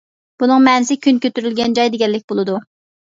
بۇنىڭ مەنىسى «كۈن كۆتۈرۈلگەن جاي» دېگەنلىك بولىدۇ.